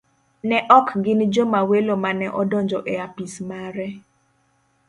Ne ok gin joma welo mane odonjo e apisi mare.